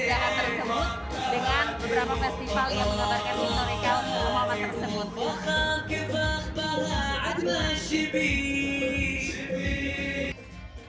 yang menggabarkan historikal kemauan tersebut